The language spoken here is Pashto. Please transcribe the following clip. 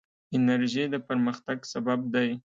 انرژي د پرمختګ بنسټ دی.